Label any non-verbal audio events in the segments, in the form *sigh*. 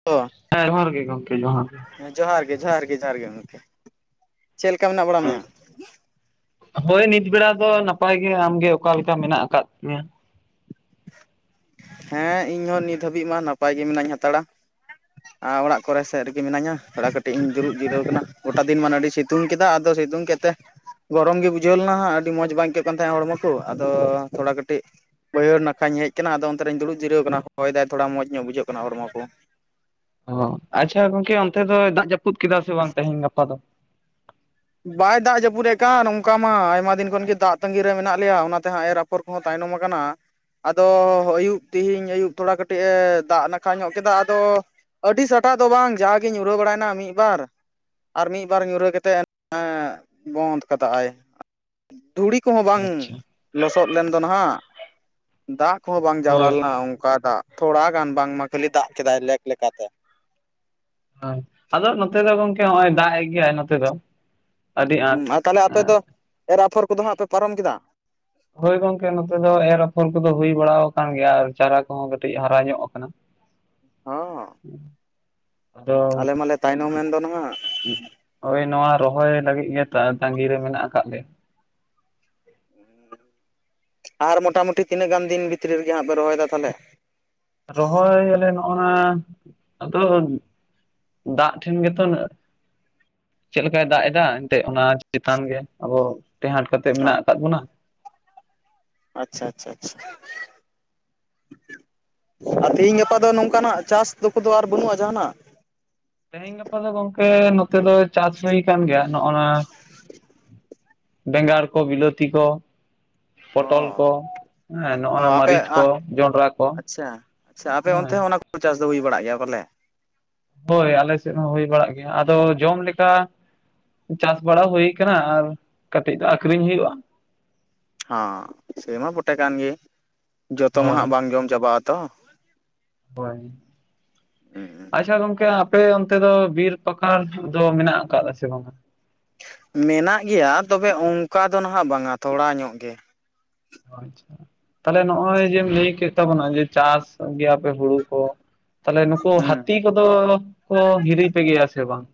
*unintelligible* ᱦᱮᱸ ᱡᱚᱦᱟᱨ ᱜᱮ, ᱜᱚᱢᱠᱮ ᱡᱚᱦᱟᱨ ᱜᱮ᱾ ᱦᱮᱸ ᱡᱚᱦᱟᱨ ᱜᱮ, ᱡᱚᱦᱟᱨ ᱜᱮ, ᱡᱚᱦᱟᱨ ᱜᱮ ᱜᱚᱢᱠᱮ᱾ ᱪᱮᱫ ᱞᱮᱠᱟ ᱢᱮᱱᱟᱜ ᱵᱟᱲᱟ ᱦᱮᱸ ᱢᱮᱭᱟ? ᱦᱳᱭ ᱱᱤᱛ ᱵᱮᱲᱟ ᱫᱚ ᱱᱟᱯᱟᱭ ᱜᱮ᱾ ᱟᱢᱜᱮ ᱚᱠᱟ ᱞᱮᱠᱟ ᱢᱮᱱᱟᱜ ᱟᱠᱟᱫ ᱢᱮᱭᱟ? ᱦᱮᱸ ᱤᱧᱦᱚᱸ ᱱᱤᱛ ᱦᱟᱹᱵᱤᱡ ᱢᱟ ᱱᱟᱯᱟᱭ ᱜᱮ ᱢᱮᱱᱟᱧ ᱦᱟᱛᱟᱲᱟ᱾ ᱟᱨ ᱚᱲᱟᱜ ᱠᱚᱨᱮ ᱥᱮᱫ ᱨᱮᱜᱮ ᱢᱤᱱᱟᱧᱟ ᱛᱷᱚᱲᱟ ᱠᱟᱹᱴᱤᱡ ᱤᱧ ᱫᱩᱲᱩᱵ ᱡᱤᱨᱟᱹᱣ ᱠᱟᱱᱟ᱾ ᱜᱚᱴᱟ ᱫᱤᱱ ᱢᱟᱱᱮ ᱟᱹᱰᱤ ᱥᱤᱛᱩᱝ ᱠᱮᱫᱟ ᱟᱫᱚ ᱥᱤᱛᱩᱝ ᱠᱮᱜᱛᱮ, ᱜᱚᱨᱚᱢ ᱜᱮ ᱵᱩᱡᱷᱟᱹᱣ ᱞᱮᱱᱟ ᱦᱟᱸᱜ ᱟᱹᱰᱤ ᱢᱚᱸᱡᱽ ᱵᱟᱝ ᱟᱹᱭᱠᱟᱹᱜ ᱠᱟᱱ ᱛᱟᱦᱮᱸ ᱦᱚᱲᱢᱚ ᱠᱚ ᱟᱫᱚ ᱛᱷᱚᱲᱟ ᱠᱟᱹᱴᱤᱡ ᱵᱟᱹᱭᱦᱟᱹᱲ ᱱᱟ ᱵᱟᱠᱷᱟᱧ ᱦᱮᱡ ᱠᱟᱱᱟ ᱟᱫᱚ ᱚᱱᱛᱮᱨᱤᱧ ᱫᱩᱲᱩᱵ ᱡᱤᱨᱟᱹᱣ ᱠᱟᱱᱟ ᱦᱚᱭ ᱫᱟᱭ ᱛᱷᱚᱲᱟ ᱢᱚᱡᱽ ᱧᱚᱜ ᱵᱩᱡᱷᱟᱹᱜ ᱠᱟᱱᱟ ᱦᱚᱲᱢᱚ ᱠᱚ, ᱚ ᱟᱪᱪᱷᱟ ᱜᱚᱝᱠᱮ ᱚᱱᱛᱮ ᱫᱚ ᱫᱟᱜ ᱡᱟᱹᱯᱩᱫ ᱠᱮᱫᱟ ᱥᱮ ᱵᱟᱝ ᱛᱮᱦᱮᱧ ᱜᱟᱯᱟ ᱫᱚ? ᱵᱟᱭ ᱫᱟᱜ ᱡᱟᱹᱯᱩᱫ ᱠᱟᱜ-ᱟ ᱱᱚᱝᱠᱟ ᱢᱟ ᱟᱭᱢᱟ ᱫᱤᱱ ᱠᱷᱚᱱᱜᱮ ᱫᱟᱜ ᱛᱟᱺᱜᱤᱨ ᱨᱮ ᱢᱮᱱᱟᱜ ᱞᱮᱭᱟ᱾ ᱚᱱᱟᱛᱮ ᱦᱟᱸᱜ ᱮᱨ ᱯᱷᱚᱨ ᱠᱚᱦᱚᱸ ᱛᱟᱭᱱᱚᱢ ᱠᱟᱱᱟ᱾ ᱟᱫᱚ ᱟᱹᱭᱩᱵ ᱛᱤᱦᱤᱧ ᱟᱹᱭᱩᱵ ᱛᱷᱚᱲᱟ ᱠᱟᱹᱴᱤᱡ ᱮ ᱫᱟᱜ ᱱᱟᱠᱷᱟ ᱧᱚᱜ ᱠᱮᱫᱟ᱾ ᱟᱫᱚ ᱟᱹᱰᱤ ᱥᱟᱴᱟᱜ ᱫᱚ ᱵᱟᱝ ᱡᱟᱜᱮ ᱧᱩᱨᱦᱟᱹ ᱵᱟᱲᱟᱭᱱᱟ ᱢᱤᱫᱵᱟᱨ ᱟᱨ ᱢᱤᱫ ᱵᱟᱨ ᱧᱩᱨᱦᱟᱹ ᱠᱟᱛᱮᱫ, ᱦᱮᱸ ᱵᱚᱱᱫᱷ ᱠᱟᱫᱟᱭ᱾ ᱫᱷᱩᱲᱤ ᱠᱚᱦᱚᱸ ᱵᱟᱝ ᱟᱪᱪᱷᱟ ᱞᱚᱥᱚᱫ ᱞᱮᱱ ᱫᱚ ᱱᱟᱦᱟᱜ ᱫᱟᱜ ᱠᱚᱦᱚᱸ ᱵᱟᱝ ᱡᱟᱣᱨᱟ ᱦᱳᱭ ᱞᱮᱱᱟ ᱚᱱᱠᱟ ᱫᱟᱜ ᱛᱷᱚᱲᱟ ᱜᱟᱱ ᱵᱟᱝᱢᱟ ᱠᱷᱟᱹᱞᱤ ᱫᱟᱜ ᱠᱮᱫᱟᱭ ᱞᱮᱠ ᱞᱮᱠᱟᱛᱮ, ᱦᱟᱸ ᱟᱫᱚ ᱱᱚᱛᱮ ᱫᱚ ᱜᱚᱝᱠᱮ ᱱᱚᱜᱼᱚᱭ ᱫᱟᱜ ᱮ ᱜᱮᱭᱟᱭ ᱱᱚᱛᱮ ᱫᱚ ᱟᱹᱰᱤ ᱦᱩᱸ ᱟᱸᱴ ᱟᱨ ᱛᱟᱦᱚᱞᱮ ᱟᱯᱮ ᱦᱮᱸ ᱫᱚ ᱮᱨ ᱟᱯᱷᱚᱨ ᱠᱚᱫᱚ ᱦᱟᱸᱜ ᱯᱮ ᱯᱟᱨᱚᱢ ᱠᱮᱫᱟ? ᱦᱳᱭ ᱜᱚᱢᱠᱮ ᱱᱚᱛᱮ ᱫᱚ ᱮᱨ ᱟᱯᱷᱚᱨ ᱠᱚᱫᱚ ᱦᱩᱭ ᱵᱟᱲᱟ ᱟᱠᱟᱱ ᱜᱮᱭᱟ ᱟᱨ ᱪᱟᱨᱟ ᱠᱚᱦᱚᱸ ᱠᱟᱹᱴᱤᱡ ᱦᱟᱨᱟ ᱧᱚᱜ ᱟᱠᱟᱱᱟ᱾ ᱦᱚᱸ ᱟᱫᱚ ᱟᱞᱮ ᱢᱟᱞᱮ ᱛᱟᱭᱱᱚᱢᱮᱱ ᱫᱚ ᱱᱟᱜ ᱦᱩᱸᱜ ᱚᱭ ᱱᱚᱣᱟ ᱨᱚᱦᱚᱭ ᱞᱟᱹᱜᱤᱫ ᱜᱮ ᱛᱟᱺᱜᱤᱨᱮ ᱢᱮᱱᱟᱜ ᱟᱠᱟᱫ ᱞᱮᱭᱟ᱾ ᱟᱨ ᱢᱚᱴᱟᱢᱩᱴᱤ ᱛᱤᱱᱟᱹᱜ ᱜᱟᱱ ᱫᱤᱱ ᱵᱷᱤᱛᱨᱤ ᱨᱮᱜᱮ ᱦᱟᱸᱜ ᱯᱮ ᱨᱚᱦᱚᱭ ᱫᱟ ᱛᱟᱦᱚᱞᱮ? ᱨᱚᱦᱚᱭ ᱟᱞᱮ ᱱᱚᱜᱼᱱᱟ ᱟᱫᱚ ᱫᱟᱜ ᱴᱷᱮᱱ ᱜᱮᱛᱚ ᱱᱟᱹᱜ ᱪᱮᱫ ᱞᱮᱠᱟᱭ ᱫᱟᱜ ᱮᱫᱟ ᱮᱱᱛᱮᱜ ᱚᱱᱟ ᱪᱮᱛᱟᱱ ᱜᱮ ᱟᱵᱚ ᱴᱮᱸᱦᱟᱸᱴ ᱠᱟᱛᱮ ᱢᱮᱱᱟᱜ ᱟᱠᱟᱫ ᱵᱚᱱᱟ᱾ ᱟᱪᱪᱷᱟ ᱟᱪᱪᱷᱟ ᱟᱪᱪᱷᱟ, ᱟᱨ ᱛᱮᱦᱤᱧ ᱜᱟᱯᱟ ᱫᱚ ᱱᱚᱝᱠᱟᱱᱟᱜ ᱪᱟᱥ ᱫᱚ ᱠᱚᱫᱚ ᱟᱨ ᱵᱟᱹᱱᱩᱜᱼᱟ ᱡᱟᱦᱟᱱᱟᱜ? ᱛᱮᱦᱮᱧ ᱜᱟᱯᱟ ᱫᱚ ᱜᱚᱝᱠᱮ ᱱᱚᱛᱮ ᱫᱚ ᱪᱟᱥ ᱦᱩᱭ ᱠᱟᱱ ᱜᱮᱭᱟ ᱱᱚᱜᱼᱱᱟ᱾ ᱵᱮᱸᱜᱟᱲ ᱠᱚ ᱵᱤᱞᱟᱹᱛᱤ ᱠᱚ ᱾ ᱯᱚᱴᱚᱞ ᱚ ᱠᱚ ᱦᱮᱸ ᱱᱚᱜᱼᱚ ᱚ ᱱᱚᱣᱟ ᱟᱯᱮ ᱢᱟᱹᱨᱤᱪ ᱟ ᱠᱚ, ᱡᱚᱸᱰᱨᱟ ᱠᱚ ᱾ ᱟᱪᱪᱷᱟ ᱟᱪᱪᱷᱟ ᱟᱯᱮ ᱚᱱᱛᱮ ᱦᱚᱸ ᱚᱱᱟ ᱠᱚ ᱪᱟᱥ ᱫᱚ ᱦᱩᱭ ᱵᱟᱲᱟᱜ ᱜᱮᱭᱟ ᱵᱚᱞᱮ? ᱦᱳᱭ ᱟᱞᱮ ᱥᱮᱫ ᱦᱚᱸ ᱦᱩᱭ ᱵᱟᱲᱟᱜ ᱜᱮᱭᱟ ᱟᱫᱚ ᱡᱚᱢ ᱞᱮᱠᱟ ᱪᱟᱥ ᱵᱟᱲᱟ ᱦᱩᱭᱩ ᱟᱠᱟᱱᱟ ᱟᱨ ᱠᱟᱹᱴᱤᱡ ᱫᱚ ᱟᱠᱷᱨᱤᱧ ᱦᱩᱭᱩᱜᱼᱟ ᱾ ᱦᱚᱸ ᱥᱮᱭᱢᱟ ᱵᱚᱴᱮ ᱠᱟᱱ ᱜᱮ ᱡᱚᱛᱚ ᱢᱟ ᱦᱳᱭ ᱦᱟᱸᱜ ᱵᱟᱝ ᱡᱚᱢ ᱪᱟᱵᱟᱜ ᱟᱛᱚ ᱾ ᱦᱚᱭ ᱾ ᱟᱪᱪᱷᱟ ᱜᱚᱝᱠᱮ ᱟᱯᱮ ᱚᱱᱛᱮ ᱫᱚ ᱵᱤᱨ ᱯᱟᱠᱟᱲ ᱫᱚ ᱢᱮᱱᱟᱜ ᱟᱠᱟᱫᱟ ᱥᱮ ᱵᱟᱝ? ᱢᱮᱱᱟᱜ ᱜᱮᱭᱟ ᱛᱚᱵᱮ ᱚᱱᱠᱟ ᱫᱚ ᱱᱟᱦᱟᱜ ᱵᱟᱝᱼᱟ ᱛᱷᱚᱲᱟ ᱧᱚᱜ ᱜᱮ ᱾ ᱟᱪᱪᱷᱟ ᱛᱟᱦᱚᱞᱮ ᱱᱚᱜᱼᱚᱭ ᱡᱮᱢ ᱞᱟᱹᱭ ᱠᱮᱫ ᱛᱟᱵᱚᱱᱟ ᱡᱮ ᱪᱟᱥ ᱜᱮᱭᱟᱯᱮ ᱦᱩᱲᱩ ᱠᱚ ᱛᱟᱦᱚᱞᱮ ᱱᱩᱠᱩ ᱦᱩᱸ ᱦᱟᱹᱛᱤ ᱠᱚᱫᱚ ᱠᱚ ᱦᱤᱨᱤ ᱯᱮ ᱜᱮᱭᱟ ᱥᱮ ᱵᱟᱝ?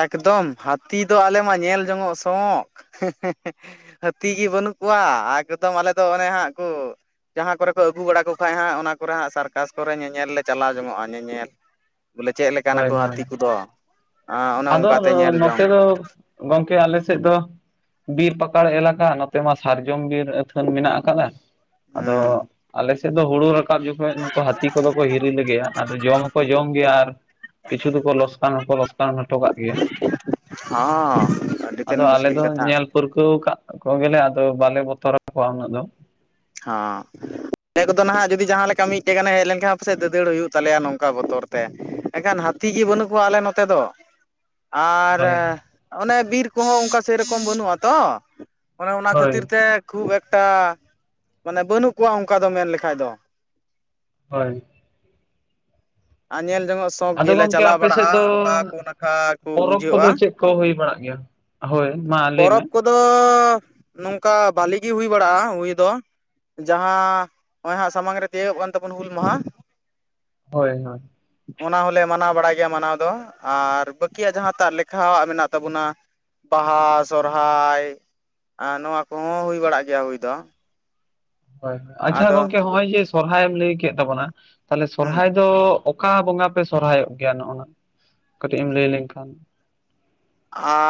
ᱮᱠᱫᱚᱢ ᱦᱟᱹᱛᱤ ᱫᱚ ᱟᱞᱮ ᱢᱟ ᱧᱮᱞ ᱡᱚᱝᱚᱜ ᱥᱚᱠ ᱾ ᱦᱟᱹᱛᱤ ᱜᱮ ᱵᱟᱹᱱᱩᱜ ᱠᱚᱣᱟ ᱮᱠᱫᱚᱢ ᱟᱞᱮ ᱫᱚ ᱚᱱᱮ ᱦᱟᱸᱜ ᱠᱚ ᱡᱟᱦᱟᱸ ᱠᱚᱨᱮ ᱠᱚ ᱟᱹᱜᱩ ᱵᱟᱲᱟ ᱠᱚ ᱠᱷᱟᱡ ᱦᱟᱸᱜ ᱚᱱᱟ ᱠᱚᱨᱮ ᱦᱟᱸᱜ ᱥᱟᱨᱠᱟᱥ ᱠᱚᱨᱮ ᱧᱮᱧᱮᱞ ᱞᱮ ᱪᱟᱞᱟᱣ ᱡᱚᱝᱚᱜᱼᱟ ᱧᱮᱧᱮᱞ ᱾ ᱵᱚᱞᱮ ᱪᱮᱫ ᱞᱮᱠᱟᱱᱟ ᱦᱳᱭ ᱠᱚ ᱦᱳᱭ ᱦᱟᱹᱛᱤ ᱠᱚᱫᱚ? ᱚᱱᱮ ᱟᱫᱚ ᱚᱱᱠᱟᱛᱮ ᱧᱮᱞ ᱡᱚᱝ ᱱᱚᱛᱮ ᱫᱚ ᱜᱚᱢᱠᱮ ᱟᱞᱮ ᱥᱮᱫ ᱫᱚ ᱵᱤᱨ ᱯᱟᱠᱟᱲ ᱮᱞᱟᱠᱟ, ᱱᱚᱛᱮ ᱢᱟ ᱥᱟᱨᱡᱚᱢ ᱵᱤᱨ ᱟᱹᱛᱷᱟᱹᱱ ᱢᱮᱱᱟᱜ ᱟᱠᱟᱫᱟ, ᱦᱮᱸ ᱟᱫᱚ ᱟᱞᱮ ᱥᱮᱫ ᱫᱚ ᱦᱩᱲᱩ ᱨᱟᱠᱟᱵ ᱡᱚᱠᱷᱚᱡ ᱦᱟᱹᱛᱤ ᱠᱚᱫᱚ ᱠᱚ ᱦᱤᱨᱤ ᱞᱮᱜᱮᱭᱟ ᱟᱫᱚ ᱡᱚᱢ ᱦᱚᱸᱠᱚ ᱡᱚᱢ ᱜᱮᱭᱟ ᱟᱨ ᱠᱤᱪᱷᱩ ᱫᱚᱠᱚ ᱞᱚᱥ ᱠᱟᱱ ᱦᱚᱸᱠᱚ ᱞᱚᱥ ᱠᱟᱱ ᱦᱚᱴᱚ ᱠᱟᱜ ᱜᱮᱭᱟ ᱦᱚᱸ ᱟᱹᱰᱤ ᱛᱮᱫ ᱟᱫᱚ ᱟᱞᱮ ᱢᱩᱥᱠᱤᱞ ᱫᱚ ᱠᱟᱛᱷᱟ ᱧᱮᱞ ᱯᱟᱹᱨᱠᱟᱹᱣ ᱟᱠᱟᱫ ᱠᱚᱜᱮ ᱞᱮ ᱟᱫᱚ ᱵᱟᱞᱮ ᱵᱚᱛᱚᱨ ᱟᱠᱚᱣᱟ ᱩᱱᱟᱹᱜ ᱫᱚ ᱾ ᱦᱚᱸ ᱾ ᱟᱞᱮ ᱠᱚᱫᱚ ᱱᱟᱦᱟᱜ ᱡᱩᱫᱤ ᱡᱟᱦᱟᱸ ᱞᱮᱠᱟ ᱢᱤᱫᱴᱮᱡ ᱜᱟᱱᱮ ᱦᱮᱡ ᱞᱮᱱᱠᱷᱟᱱ ᱯᱟᱥᱮᱡ ᱫᱟᱹᱫᱟᱹᱲ ᱦᱩᱭᱩᱜ ᱛᱟᱞᱮᱭᱟ ᱱᱚᱝᱠᱟ ᱵᱚᱛᱚᱨ ᱛᱮ ᱾ ᱮᱠᱷᱟᱱ ᱦᱟᱹᱛᱤ ᱜᱮ ᱵᱟᱹᱱᱩᱜ ᱠᱚᱣᱟ ᱟᱞᱮ ᱱᱚᱛᱮ ᱫᱚ ᱾ ᱟᱨ ᱦᱳᱭ ᱚᱱᱮ ᱵᱤᱨ ᱠᱚᱦᱚᱸ ᱚᱱᱠᱟ ᱥᱮᱨᱚᱠᱚᱢ ᱵᱟᱹᱱᱩᱜᱼᱟ ᱛᱚ ᱾ ᱚᱱᱮ ᱚᱱᱟ ᱦᱳᱭ ᱠᱷᱟᱹᱛᱤᱨ ᱛᱮ ᱠᱷᱩᱵ ᱮᱠᱴᱟ ᱢᱟᱱᱮ ᱵᱟᱹᱱᱩᱜ ᱠᱚᱣᱟ ᱚᱱᱠᱟ ᱫᱚ ᱢᱮᱱ ᱞᱮᱠᱷᱟᱡ ᱫᱚ ᱾ ᱦᱳᱭ ᱾ ᱟᱨ ᱧᱮᱞ ᱡᱚᱝᱚᱜ ᱥᱚᱠ ᱟᱫᱚ ᱜᱮᱞᱮ ᱜᱚᱢᱠᱮ ᱪᱟᱞᱟᱣ ᱟᱯᱮ ᱥᱮᱫ ᱫᱚ ᱵᱟᱲᱟᱜᱼᱟ ᱚᱠᱟ ᱠᱚ ᱱᱟᱠᱷᱟ ᱠᱚ ᱯᱚᱨᱚᱵᱽ ᱠᱚᱫᱚ ᱵᱩᱡᱷᱟᱹᱜᱼᱟ ᱪᱮᱫ ᱠᱚ ᱦᱩᱭ ᱵᱟᱲᱟᱜ ᱜᱮᱭᱟ? ᱦᱳᱭ ᱢᱟ ᱞᱟᱹᱭ ᱢᱮ ᱯᱚᱨᱚᱵᱽ ᱠᱚᱫᱚ ᱱᱚᱝᱠᱟ ᱵᱷᱟᱹᱞᱤ ᱜᱮ ᱦᱩᱭ ᱵᱟᱲᱟᱜᱼᱟ ᱦᱩᱭ ᱫᱚ ᱾ ᱡᱟᱦᱟᱸ ᱱᱚᱜᱼᱚᱭ ᱦᱟᱸᱜ ᱥᱟᱢᱟᱝ ᱨᱮ ᱛᱤᱭᱳᱜᱚᱜ ᱠᱟᱱ ᱛᱟᱵᱚᱱ ᱦᱩᱞ ᱢᱟᱦᱟ ᱾ ᱦᱳᱭ ᱦᱳᱭ ᱾ ᱚᱱᱟ ᱦᱚᱸᱞᱮ ᱢᱟᱱᱟᱣ ᱵᱟᱲᱟᱭ ᱜᱮᱭᱟ ᱢᱟᱱᱟᱣ ᱫᱚ ᱾ ᱟᱨ ᱵᱟᱹᱠᱤᱭᱟᱜ ᱡᱟᱦᱟᱸᱴᱟᱜ ᱞᱮᱠᱷᱟᱣᱟᱜ ᱢᱮᱱᱟᱜ ᱛᱟᱵᱚᱱᱟ ᱵᱟᱦᱟ, ᱥᱚᱦᱨᱟᱭ ᱟᱸ ᱱᱚᱣᱟ ᱠᱚᱦᱚᱸ ᱦᱩᱭ ᱵᱟᱲᱟᱜ ᱜᱮᱭᱟ ᱦᱩᱭ ᱫᱚ ᱾ ᱦᱳᱭ ᱟᱪᱪᱷᱟ ᱜᱚᱝᱠᱮ ᱦᱚᱸᱜᱼᱚᱭ ᱡᱮ ᱥᱚᱨᱦᱟᱭᱢ ᱞᱟᱹᱭ ᱠᱮᱫ ᱛᱟᱵᱚᱱᱟ, ᱛᱟᱦᱚᱞᱮ ᱦᱩᱸ ᱥᱚᱨᱦᱟᱭ ᱫᱚ ᱚᱠᱟ ᱵᱚᱸᱜᱟ ᱯᱮ ᱥᱚᱨᱦᱟᱭᱚᱜ ᱜᱮᱭᱟ? ᱱᱚᱜᱼᱚᱱᱟ ᱠᱟᱹᱴᱤᱡ ᱮᱢ ᱞᱟᱹᱭ ᱞᱮᱱᱠᱷᱟᱱ ᱾